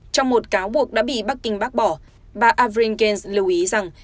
trong một cáo buộc đã bị bắc kinh bác bỏ bà avril gaines lưu ý rằng